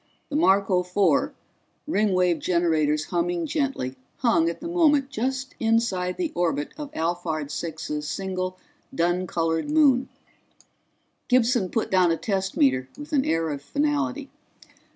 The Marco Four, Ringwave generators humming gently, hung at the moment just inside the orbit of Alphard Six's single dun colored moon. Gibson put down a test meter with an air of finality.